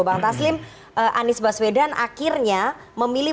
bang taslim anies baswedan akhirnya memilih